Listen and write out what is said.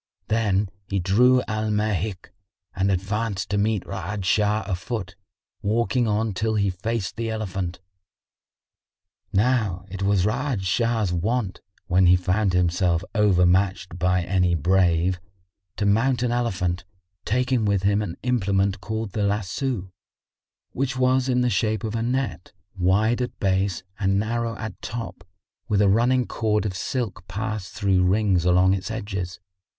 Then he drew Al Mahik and advanced to meet Ra'ad Shah a foot, walking on till he faced the elephant. Now it was Ra'ad Shah's wont, when he found himself overmatched by any brave, to mount an elephant, taking with him an implement called the lasso,[FN#58] which was in the shape of a net, wide at base and narrow at top with a running cord of silk passed through rings along its edges.